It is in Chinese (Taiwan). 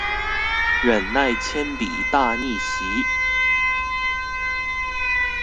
忍耐鉛筆大逆襲